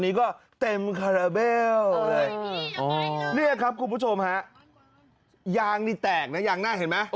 นี่ครับคุณผู้ชมฮะยางนี่แตกนะยางหน้าเห็นมั้ย